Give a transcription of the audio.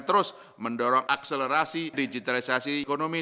terus mendorong akselerasi digitalisasi ekonomi